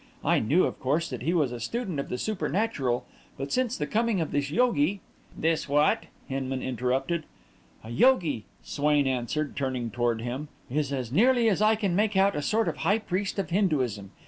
I knew, of course, that he was a student of the supernatural, but since the coming of this yogi...." "This what?" Hinman interrupted. "A yogi," Swain answered, turning toward him, "is, as nearly as I can make out, a sort of high priest of Hinduism.